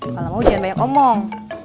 kalo mau jangan banyak omong